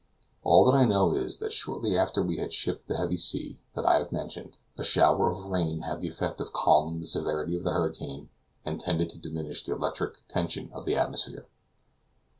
All that I know is, that shortly after we had shipped the heavy sea, that I have mentioned, a shower of rain had the effect of calming the severity of the hurricane, and tended to diminish the electric tension of the atmosphere.